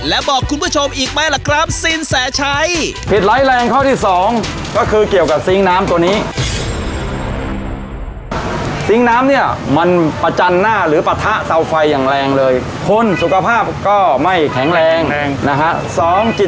อ่าจะชอบลาออกเฮ้ยจริงรึเปล่าล่ะครับพี่